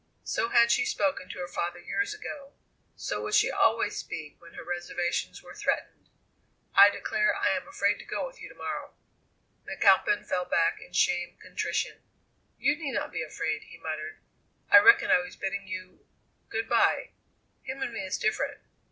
So had she spoken to her father years ago; so would she always speak when her reservations were threatened. "I declare I am afraid to go with you to morrow." McAlpin fell back in shamed contrition. "You need not be afraid," he muttered. "I reckon I was bidding you good bye. Him and me is different.